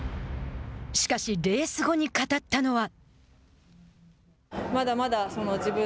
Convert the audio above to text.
しかし、レース後に語ったのは。